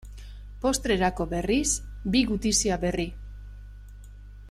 Postrerako berriz, bi gutizia berri.